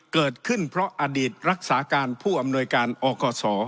เกิดขึ้นเพราะอดีตรักษาการผู้อำนวยการอกศ